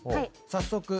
早速。